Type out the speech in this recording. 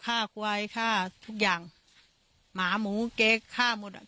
ฆ่าควายฆ่าทุกอย่างหมาหมูแกฆ่าหมดอ่ะ